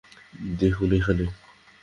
দেখুন এখানে।